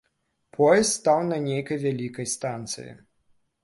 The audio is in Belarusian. Поезд стаў на нейкай вялікай станцыі.